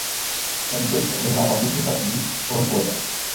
Celý děj se odehrává v několika chvílích kolem poledne.